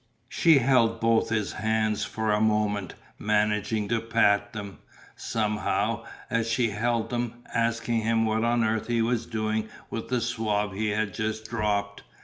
She held both his hands for a moment, managing to pat them, somehow, as she held them, asking him what on earth he was doing with the swab he had just dropped.